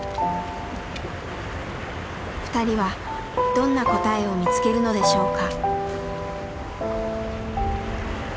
ふたりはどんな答えを見つけるのでしょうか。